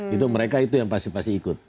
itu mereka itu yang pasti pasti ikut